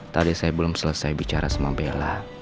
tadi saya belum selesai bicara sama bella